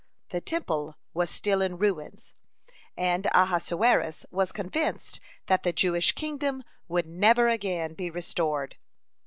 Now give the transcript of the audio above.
The Temple was still in ruins, and Ahasuerus was convinced that the Jewish kingdom would never again be restored.